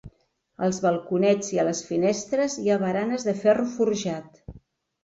Als balconets i a les finestres hi ha baranes de ferro forjat.